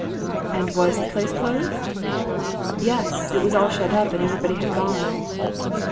"And was the place closed?" "Yes. It was all shut up, and everybody had gone."